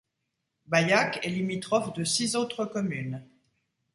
Bayac est limitrophe de six autres communes.